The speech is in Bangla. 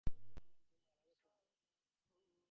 ভেবেছিলাম তুমি মারা গেছ, বব।